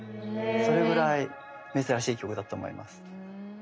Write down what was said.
それぐらい珍しい曲だと思います。